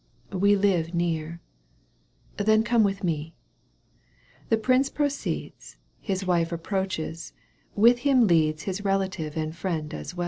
— "We live near." " Then come with me." The prince proceeds. His wife approaches, with him leads His relative and friend as weU.